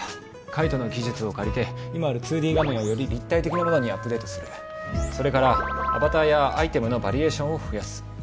海斗の技術を借りて今ある２Ｄ画面をより立体的なものにアップデートするそれからアバターやアイテムのバリエーションを増やす